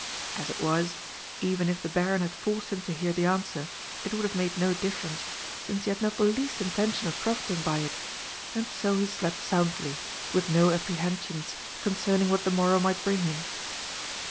As it was, even if the Baron had forced him to hear the answer, it would have made no difference, since he had not the least intention of profiting by it, and so he slept soundly, with no apprehensions concerning what the morrow might bring him.